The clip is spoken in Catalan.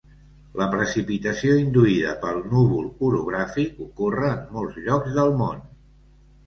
La precipitació induïda pel núvol orogràfic ocorre en molts llocs del món.